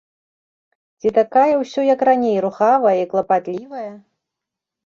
Ці такая ўсё, як раней, рухавая і клапатлівая?